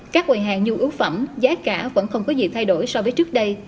các quầy hàng nhu yếu phẩm giá cả vẫn không có gì thay đổi so với trước đây